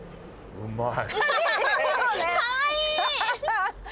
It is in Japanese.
うまい。